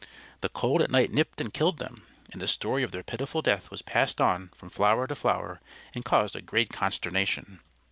The cold at night nipped and killed them; and the story of their pitiful death was passed on from flower to flower, and caused a great consternation.